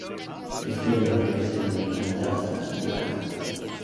Este valor se denomina traza de "A".